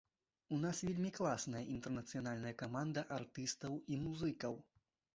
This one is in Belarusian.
У нас вельмі класная інтэрнацыянальная каманда артыстаў і музыкаў.